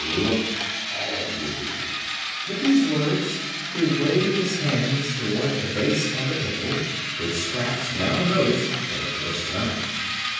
Look, all of you!" With these words he waved his hands toward the vase on the table, which Scraps now noticed for the first time.